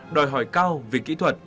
đòi hỏi cao về kỹ thuật